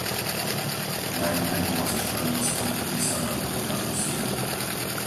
Najmä bola so Španielskom podpísaná dohoda o sídle.